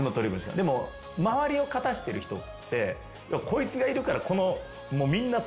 でも周りを勝たせてる人ってこいつがいるから。